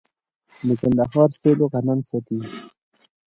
د کندهار سیلو غنم ساتي.